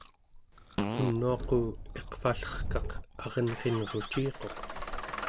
unuaqu iqvallerkaq arenqinruciquq